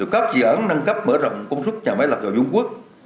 các dự án nâng cấp mở rộng công suất nhà máy lập dầu dũng quốc